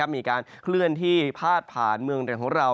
มีการเคลื่อนที่พาดผ่านเมืองไทยของเรา